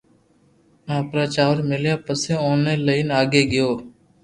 ايتا چاور ميليا پسو اوني لئين آگي گيو